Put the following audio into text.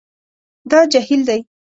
دا جهیل دی